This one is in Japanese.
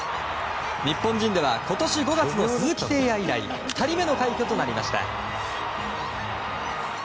日本人では今年５月の鈴木誠也以来２人目の快挙となりました。